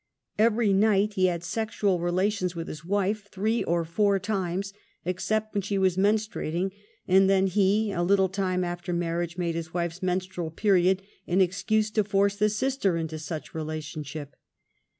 Every night he had sexual relations with his wife three or four times, except when she was menstrua ting, and then he, a little time after marriage, made his wife's menstrual period an excuse to force the sister into such relationship.